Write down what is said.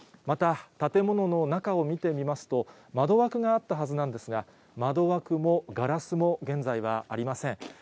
また、建物の中を見てみますと、窓枠があったはずなんですが、窓枠もガラスも現在はありません。